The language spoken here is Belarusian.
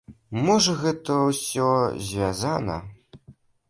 Можа, гэта ўсё звязана.